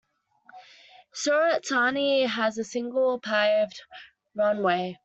Surat Thani has a single paved runway.